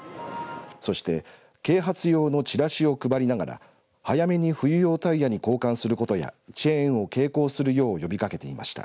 そして啓発用のチラシを配りながら早めに冬用タイヤに交換することやチェーンを携行するよう呼びかけていました。